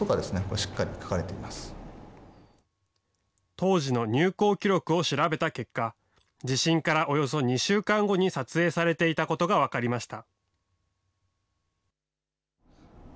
当時の入港記録を調べた結果、地震からおよそ２週間後に撮影されていたことが分かりました。